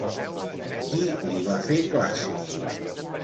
Qui li va fer classe?